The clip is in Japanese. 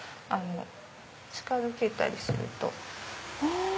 近づけたりすると。